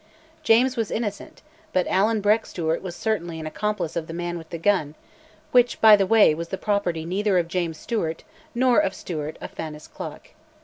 James was innocent, but Allan Breck Stewart was certainly an accomplice of the man with the gun, which, by the way, was the property neither of James Stewart nor of Stewart of Fasnacloich.